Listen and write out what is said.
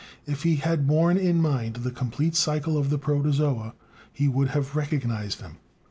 If he had borne in mind the complete cycle of the protozoa, he would have recognized them.